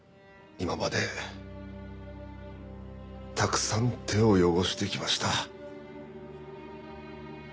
今までたくさん手を汚してきました。